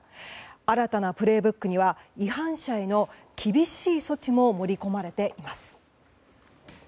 新たな「プレイブック」には違反者への厳しい措置も盛り込まれています。